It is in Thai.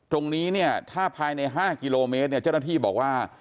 ตรงนี้ถ้าภายใน๕กิโลเมตรเจ้าหน้าที่บอกว่า